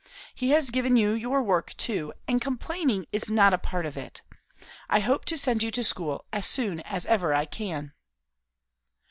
He has given you your work too; and complaining is not a part of it. I hope to send you to school, as soon as ever I can."